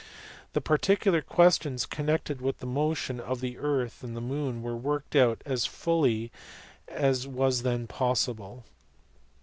The particular questions con nected with the motion of the earth and moon were worked out as fully as was then possible.